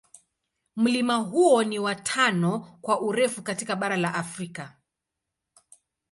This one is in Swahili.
Mlima huo ni wa tano kwa urefu katika bara la Afrika.